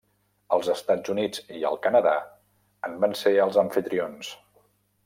Els Estats Units i el Canadà en van ser els amfitrions.